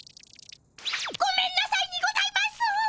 ごめんなさいにございます！